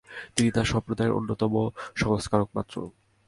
তিনি তাঁহার সম্প্রদায়ের অন্যতম সংস্কারক মাত্র।